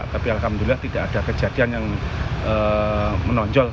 tapi alhamdulillah tidak ada kejadian yang menonjol